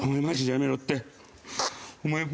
やめろってお前もう。